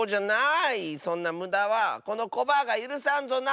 そんなむだはこのコバアがゆるさんぞな！